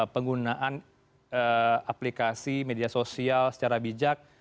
penggunaan aplikasi media sosial secara bijak